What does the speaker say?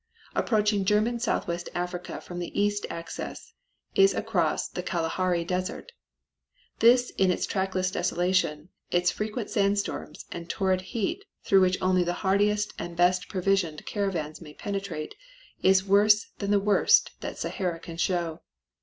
Approaching German Southwest Africa from the east access is across the Kalahari Desert. This in its trackless desolation, its frequent sandstorms and torrid heat through which only the hardiest and best provisioned caravans may penetrate is worse than the worst that Sahara can show.